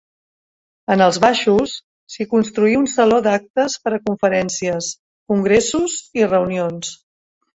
En els baixos s'hi construí un saló d'actes per a conferències, congressos i reunions.